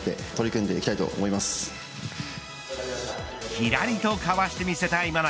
ひらりとかわしてみせた今永。